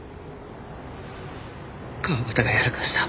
川端がやらかした。